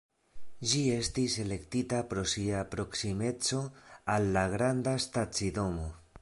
Ĝi estis elektita pro sia proksimeco al la granda stacidomo.